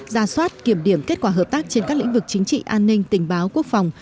ra soát kiểm điểm kết quả hợp tác trên các lĩnh vực chính trị an ninh tình báo quốc phòng